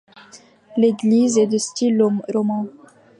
L'église est de style roman.